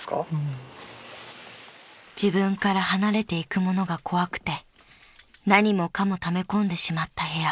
［自分から離れていくものが怖くて何もかもため込んでしまった部屋］